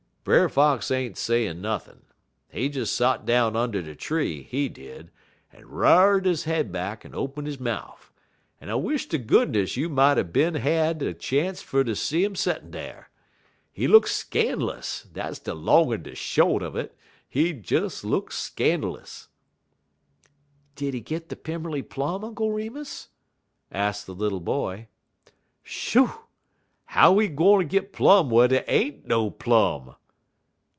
"Brer Fox ain't sayin' nothin'. He des sot down und' de tree, he did, en r'ar'd he head back, en open he mouf, en I wish ter goodness you mought er bin had er chance fer ter see 'im settin' dar. He look scan'lous, dat's de long en de short un it; he des look scan'lous." "Did he get the Pimmerly Plum, Uncle Remus?" asked the little boy. "Shoo! How he gwine git plum whar dey ain't no plum?"